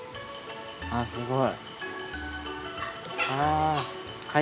あぁすごい。